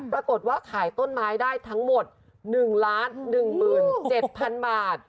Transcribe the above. ปรากฏว่าขายต้นไม้ได้ทั้งหมด๑ล้าน๑หมื่น๗พันบาท